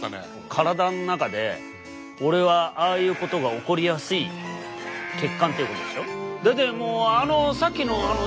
体の中で俺はああいうことが起こりやすい血管っていうことでしょ？